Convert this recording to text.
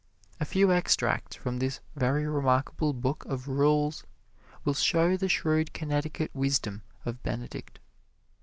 A few extracts from this very remarkable Book of Rules will show the shrewd Connecticut wisdom of Benedict.